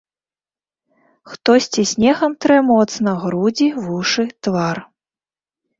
Хтосьці снегам трэ моцна грудзі, вушы, твар.